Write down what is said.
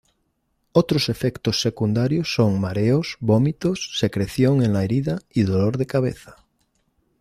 Otros efectos secundarios son mareos, vómitos, secreción en la herida y dolor de cabeza.